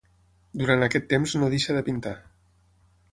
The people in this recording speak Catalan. Durant aquest temps no deixa de pintar.